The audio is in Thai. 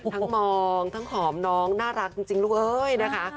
มองทั้งหอมน้องน่ารักจริงลูกเอ้ยนะคะ